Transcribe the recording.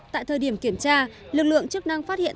tại thời điểm kiểm tra lực lượng chức năng phát hiện